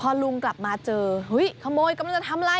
พอลุงกลับมาเจอเฮ้ยขโมยกำลังจะทำอะไร